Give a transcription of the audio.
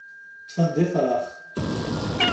Ṭṭfen-d ifrax.